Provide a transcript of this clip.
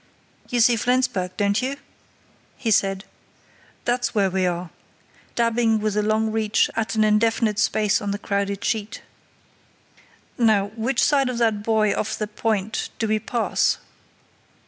"You see Flensburg, don't you?" he said. "That's where we are," dabbing with a long reach at an indefinite space on the crowded sheet. "Now which side of that buoy off the point do we pass?"